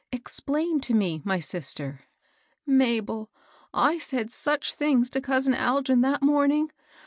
" Explain to me, my sister." " Mabel, I said such things to cousin Algin that morning